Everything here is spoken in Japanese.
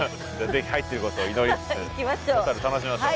ぜひ入ってることを祈りつつ小樽楽しみましょう。